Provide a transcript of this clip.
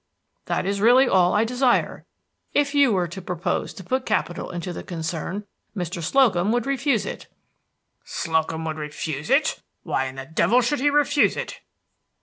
"That is really all I desire. If you were to propose to put capital into the concern, Mr. Slocum would refuse it." "Slocum would refuse it! Why in the devil should he refuse it?"